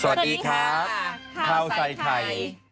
สวัสดีค่ะถ้าวสัยใคร